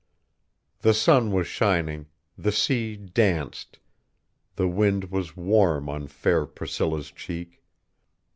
The sun was shining, the sea danced, the wind was warm on fair Priscilla's cheek....